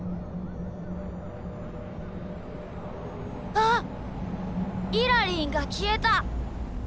あっイラりんがきえた。